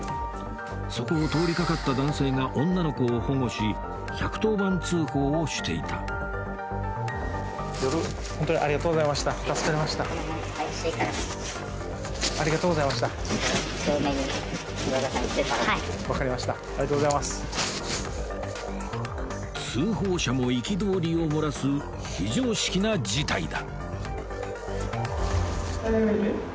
そこを通りかかった男性が女の子を保護し１１０番通報をしていた通報者も憤りを漏らす非常識な事態だ